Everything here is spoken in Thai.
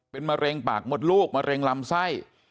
เป็นมะเร็งปากมดลูกมะเร็งลำไส้